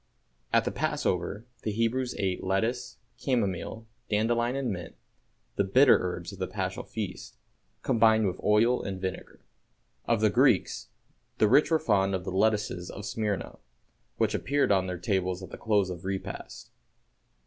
At the Passover the Hebrews ate lettuce, camomile, dandelion and mint, the "bitter herbs" of the Paschal feast, combined with oil and vinegar. Of the Greeks, the rich were fond of the lettuces of Smyrna, which appeared on their tables at the close of the repast.